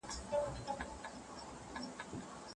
بیرته منصوري ځنځیر له ښار څخه ایستلی یم